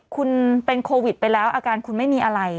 คุณเป็นโควิดไปแล้วอาการคุณไม่มีอะไร